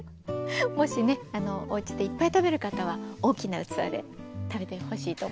もしねおうちでいっぱい食べる方は大きな器で食べてほしいと思います。